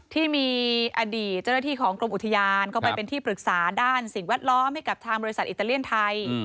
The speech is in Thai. ที่มีอดีตเจ้าหน้าที่ของกรมอุทยานเข้าไปเป็นที่ปรึกษาด้านสิ่งแวดล้อมให้กับทางบริษัทอิตาเลียนไทย